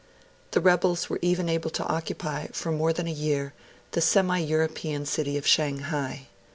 The rebels were even able to occupy, for more than a year, the semi European city of Shanghai.